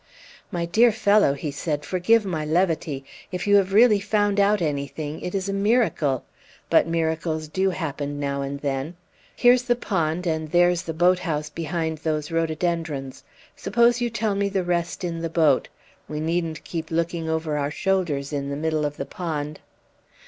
"My dear fellow," he said, "forgive my levity. If you have really found out anything, it is a miracle; but miracles do happen now and then. Here's the pond, and there's the boathouse behind those rhododendrons. Suppose you tell me the rest in the boat? We needn't keep looking over our shoulders in the middle of the pond!"